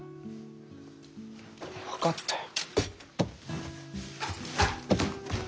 分かったよ。